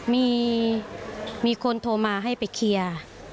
มีคนโทรมาให้ไปเคลียร์